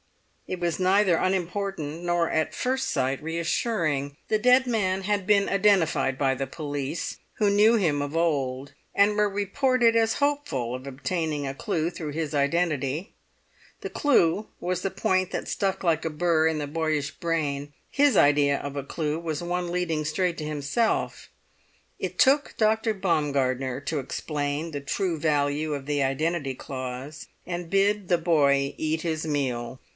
It was neither unimportant nor at first sight reassuring. The dead man had been identified by the police, who knew him of old, and were reported as hopeful of obtaining a clue through his identity. The clue was the point that stuck like a burr in the boyish brain; his idea of a clue was one leading straight to himself; it took Dr. Baumgartner to explain the true value of the identity clause, and bid the boy eat his meal.